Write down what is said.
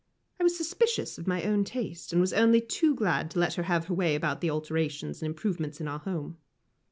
I was suspicious of my own taste, and was only too glad to let her have her way about the alterations and improvements in our home.